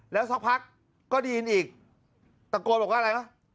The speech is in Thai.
แล้วสักพักก็ได้ยินอีกตะโกนบอกว่าอะไรวะ